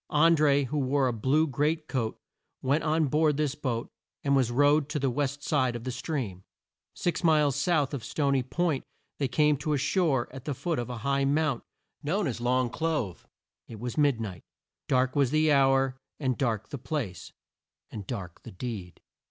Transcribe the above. An dré, who wore a blue great coat, went on board this boat and was rowed to the west side of the stream. Six miles south of Sto ny Point they came to shore at the foot of a high mount known as the Long Clove. It was mid night. Dark was the hour, and dark the place, and dark the deed.